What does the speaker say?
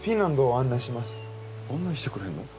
案内してくれるの？